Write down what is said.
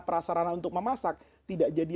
prasarana untuk memasak tidak jadi